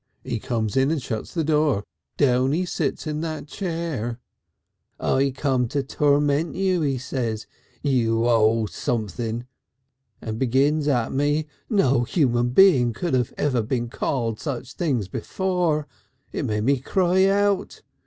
"He comes in and shuts the door. Down he sits in that chair. 'I come to torment you!' he says, 'you Old Sumpthing!' and begins at me.... No human being could ever have been called such things before. It made me cry out.